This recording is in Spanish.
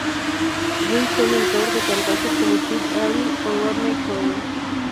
Guy fue mentor de cantantes como Steve Earle o Rodney Crowell.